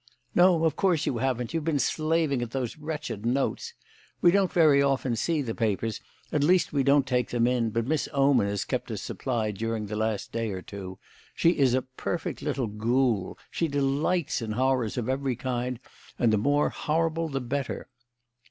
"No, of course you haven't. You've been slaving at those wretched notes. We don't very often see the papers, at least we don't take them in, but Miss Oman has kept us supplied during the last day or two. She is a perfect little ghoul; she delights in horrors of every kind, and the more horrible the better."